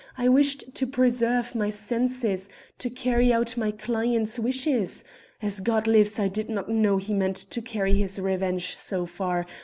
I wished to preserve my senses to carry out my client's wishes. As God lives, I did not know he meant to carry his revenge so far.